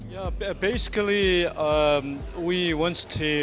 sebelumnya di asean